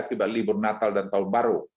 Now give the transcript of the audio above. tiba libur natal dan tahun baru